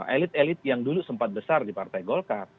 elit elit yang dulu sempat besar di partai golkar